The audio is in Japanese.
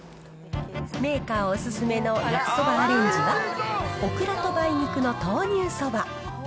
メーカーお勧めの夏そばアレンジは、オクラと梅肉の豆乳そば。